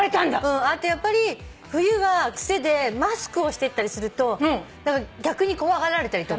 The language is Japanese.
あとやっぱり冬は癖でマスクをしてったりすると逆に怖がられたりとか。